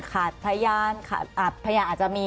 ขัดพยานอาจจะมี